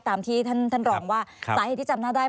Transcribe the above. ตามที่ท่านรองว่าสาเหตุที่จำหน้าได้